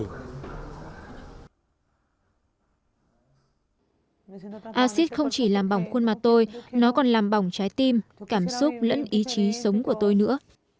chị boda nói acid không chỉ làm bỏng khuôn mặt tôi nó còn làm bỏng trái tim cảm xúc lẫn ý chí sống của tôi nữa